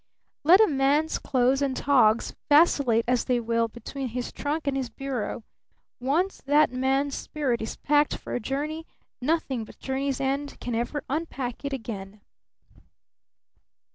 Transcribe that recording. Let a man's clothes and togs vacillate as they will between his trunk and his bureau once that man's spirit is packed for a journey nothing but journey's end can ever unpack it again!